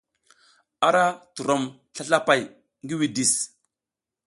A ra turom slaslapay ngi widis.